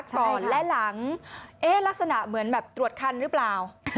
ก่อนและหลังลักษณะเหมือนแบบตรวจคันหรือเปล่า